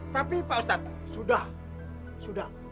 tapi pak ustadz sudah sudah